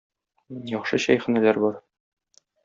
Яхшы чәйханәләр бар.